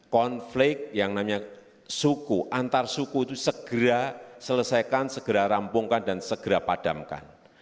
konflik yang namanya suku antar suku itu segera selesaikan segera rampungkan dan segera padamkan